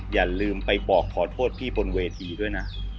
อย่าลืมไปบอกขอโทษพี่บนเวทีด้วยนะ